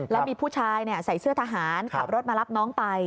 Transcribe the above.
แล้วมีผู้ชายใส่เสื้อทหารขับรถมารับน้องไป